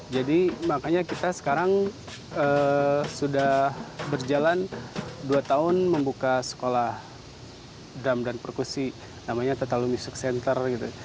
jadi makanya kita sekarang sudah berjalan dua tahun membuka sekolah drum dan perkusi namanya tatalu music center gitu